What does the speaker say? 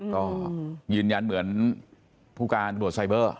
ก็ยืนยันเหมือนผู้การตรวจไซเบอร์